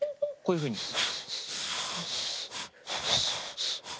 こういうふうに。